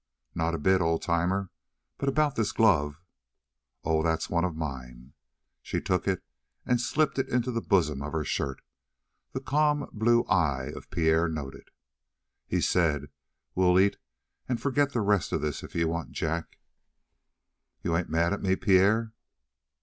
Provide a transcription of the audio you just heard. "Not a bit, old timer. But about this glove?" "Oh, that's one of mine." She took it and slipped it into the bosom of her shirt the calm blue eye of Pierre noted. He said: "We'll eat and forget the rest of this, if you want, Jack." "And you ain't mad at me, Pierre?"